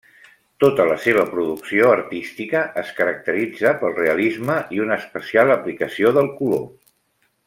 Tota la seva producció artística es caracteritza pel realisme i una especial aplicació del color.